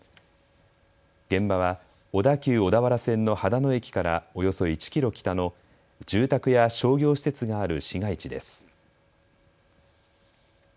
現場は小田急小田原線の秦野駅からおよそ１キロ北の住宅や商業施設がある市街地です。